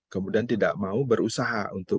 kemudian tidak mau berusaha untuk